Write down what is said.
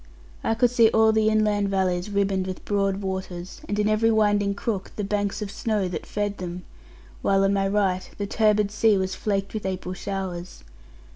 I could see all the inland valleys ribbon'd with broad waters; and in every winding crook, the banks of snow that fed them; while on my right the turbid sea was flaked with April showers.